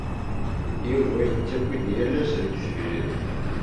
Yuba yettaki-d yal ass deg tfejrit.